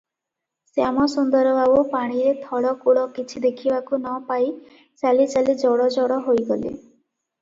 ଶ୍ୟାମସୁନ୍ଦର ବାବୁ ପାଣିରେ ଥଳକୂଳ କିଛି ଦେଖିବାକୁ ନ ପାଇ ଚାଲିଚାଲି ଜଡ଼ଜଡ଼ ହୋଇଗଲେ ।